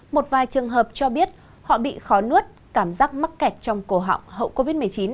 một vài trường hợp cho biết họ bị khó nuốt cảm giác mắc kẹt trong cổ họng hậu covid một mươi chín